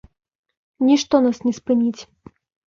Нішто нас не спыніць!